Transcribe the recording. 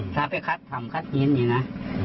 ถ้าไปคัดถ่ำคัดหินอย่างนี้นะ